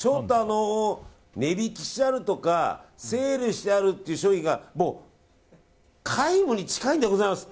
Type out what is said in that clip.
値引きしてあるとかセールしてあるって商品がもう皆無に近いんでございます。